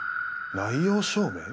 「内容証明」？